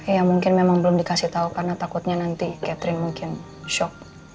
ya mungkin memang belum dikasih tahu karena takutnya nanti catering mungkin shock